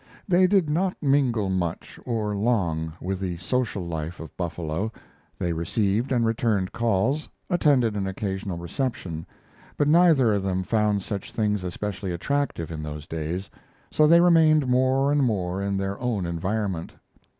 They did not mingle much or long with the social life of Buffalo. They received and returned calls, attended an occasional reception; but neither of them found such things especially attractive in those days, so they remained more and more in their own environment.